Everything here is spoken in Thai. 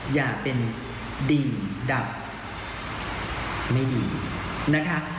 อย่าเป็นดินดับไม่ดีนะคะ